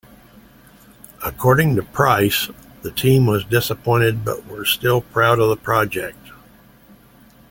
According to Price, the team was disappointed but were still proud of the project.